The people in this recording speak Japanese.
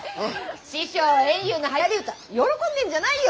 師匠圓遊のはやり歌喜んでんじゃないよ！